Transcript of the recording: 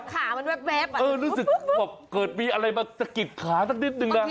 ขามันแว๊บอ่ะเออรู้สึกแบบเกิดมีอะไรมาสะกิดขาสักนิดนึงนะ